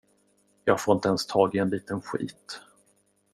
Jag får inte ens tag i en liten skit.